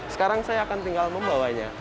sekarang saya akan tinggal membawanya